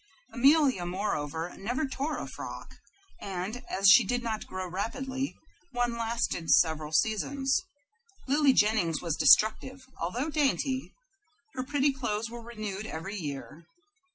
Amelia, moreover, never tore a frock, and, as she did not grow rapidly, one lasted several seasons. Lily Jennings was destructive, although dainty. Her pretty clothes were renewed every year.